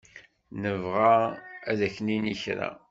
Nebɣa ad ak-nini kra.